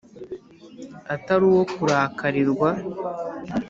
atari uwo kurakarirwa.